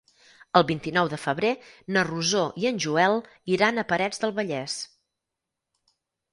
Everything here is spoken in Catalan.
El vint-i-nou de febrer na Rosó i en Joel iran a Parets del Vallès.